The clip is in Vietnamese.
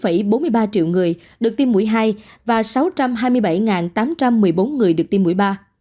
bảy bốn mươi ba triệu người được tiêm mũi hai và sáu trăm hai mươi bảy tám trăm một mươi bốn người được tiêm mũi ba